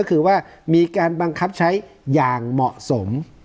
ก็คือว่ามีการบังคับใช้อย่างเหมาะสม